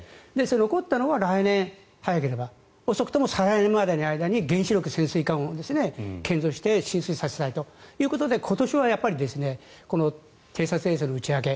残ったのは来年早ければ遅くとも再来年までの間に原子力潜水艦を建造して進水させたいということで今年は偵察衛星の打ち上げ